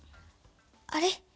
あれ？